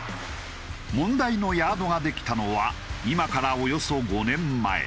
問題のヤードができたのは今からおよそ５年前。